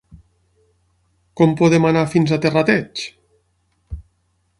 Com podem anar fins a Terrateig?